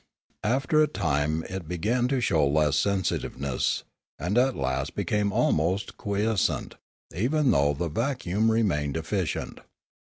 After a time it began to show less sensitiveness, and at last became almost quiescent, even though the vacuum remained efficient.